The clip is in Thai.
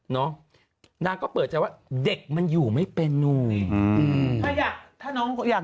เนอะนางก็เปิดใจว่าเด็กมันอยู่ไม่เป็นนุมอืมอืมถ้าน้องคนอยาก